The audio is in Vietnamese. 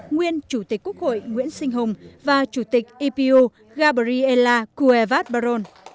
nguyên chủ tịch quốc hội nguyễn sinh hùng và chủ tịch ipu gabriela cuevas barón